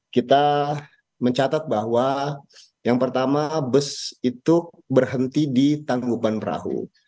kita mencatat bahwa yang pertama bus itu berhenti di tanggupan perahu